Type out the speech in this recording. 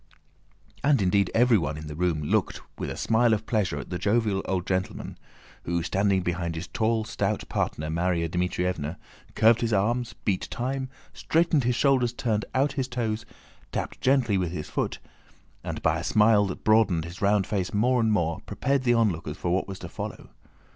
And indeed everybody in the room looked with a smile of pleasure at the jovial old gentleman, who standing beside his tall and stout partner, Márya Dmítrievna, curved his arms, beat time, straightened his shoulders, turned out his toes, tapped gently with his foot, and, by a smile that broadened his round face more and more, prepared the onlookers for what was to follow.